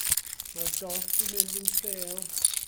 Mae'r dorth 'di mynd yn stêl.